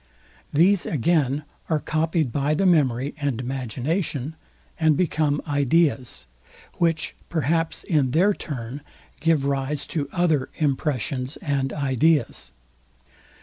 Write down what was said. These again are copied by the memory and imagination, and become ideas; which perhaps in their turn give rise to other impressions and ideas.